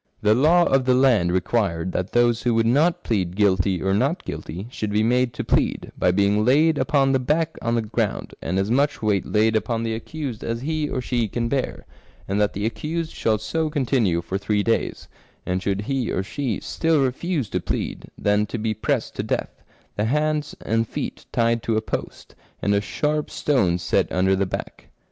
The law of the land required that those who would not plead " guilty " or not guilty," should be made to plead, " by being laid upon the back on the ground, and as much weight laid upon the accused as he or she can bear, and that the accused shall so continue for three days, and should he or she still refuse to plead, then to be pressed to death, the hands and feet tied to a post, and a sharp stone set under the back."